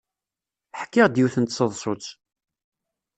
Ḥkiɣ-d yiwet n tseḍsut.